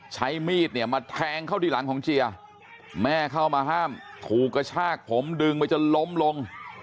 ใช้มีดเนี่ยมาแทงเข้าที่หลังของเจียแม่เข้ามาห้ามถูกกระชากผมดึงไปจนล้มลง